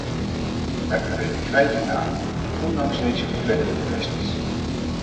Wij bevelen kwijting aan, ondanks deze vervelende kwesties.